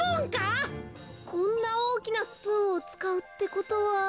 こんなおおきなスプーンをつかうってことは。